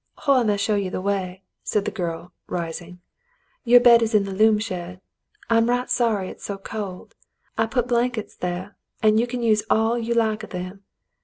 "Hoyle may show you the way," said the girl, rising. " Your bed is in the loom shed. I'm right sorry it's so cold. I put blankets there, and you can use all you like of them.